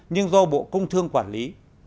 nhưng do bộ công thương quản lý